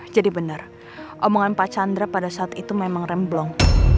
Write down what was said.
jadi benar omongan pak chandra pada saat itu memang remblong